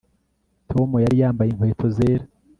Tom yari yambaye inkweto zera